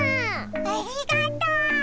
ありがとう！